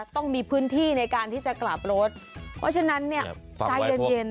ต้องมีพื้นที่ในการที่จะกลับรถเพราะฉะนั้นเนี่ยใจเย็น